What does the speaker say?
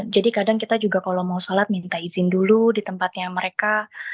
jadi kadang kita juga kalau mau sholat minta izin dulu di tempatnya mereka